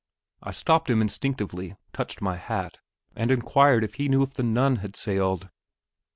I stopped him instinctively, touched my hat, and inquired if he knew if the Nun had sailed.